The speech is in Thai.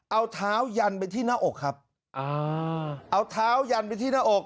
เอาเท้ายันไปที่หน้าอกครับอ่าเอาเท้ายันไปที่หน้าอก